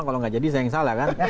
kalau nggak jadi saya yang salah kan